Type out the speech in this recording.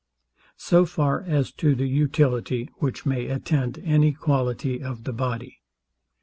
So far as to the utility, which may attend any quality of the body.